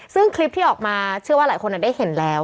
ซึ่งคลิปที่ออกมาเชื่อว่าหลายคนได้เห็นแล้ว